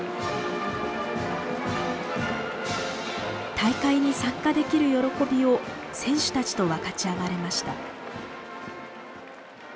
大会に参加できる喜びを選手たちと分かち合われました。